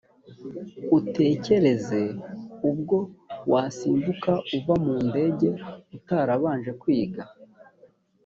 utekereze ubwo wasimbuka uva mu ndege utarabanje kwiga